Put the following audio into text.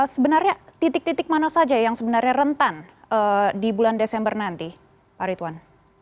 sebenarnya titik titik mana saja yang sebenarnya rentan di bulan desember nanti pak ridwan